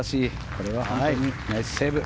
これは本当にナイスセーブ。